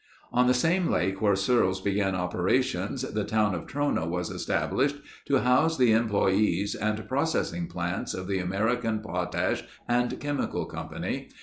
On the same lake where Searles began operations, the town of Trona was established to house the employees and processing plants of the American Potash and Chemical Company.